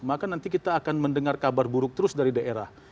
maka nanti kita akan mendengar kabar buruk terus dari daerah